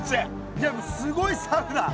いやすごいサウナ。